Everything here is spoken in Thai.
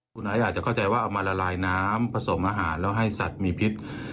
เค้าจะเข้าใจว่าเอามาละลายน้ำผสมอาหารและให้สัตว์มีพิษ